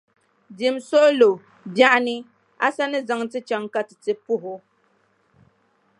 Dimi suɣulo, biɛɣuni, a sa ni zaŋ ti chaŋ ka ti ti puhi o?